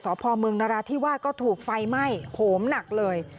สพมนที่วาดก็ถูกไฟไหม้โผมนักเลย